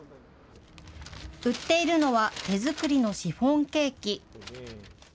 売っているのは手作りのシフォンケーキ。